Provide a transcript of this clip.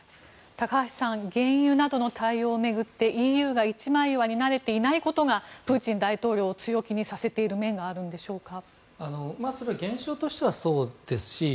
高橋さん原油などの対応を巡ってＥＵが一枚岩になれていないことがプーチン大統領を強気にさせている面もあるんでしょうか。